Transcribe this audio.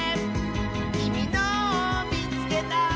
「きみのをみつけた！」